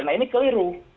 nah ini keliru